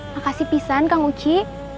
makasih pisah kan kang uci